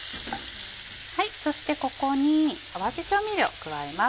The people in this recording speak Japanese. そしてここに合わせ調味料を加えます。